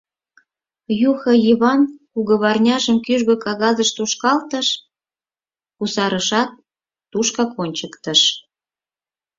— Юхо-Йыван кугыварняжым кӱжгӧ кагазыш тушкалтыш, кусарышат тушкак ончыктыш.